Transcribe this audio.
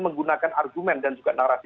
menggunakan argumen dan juga narasi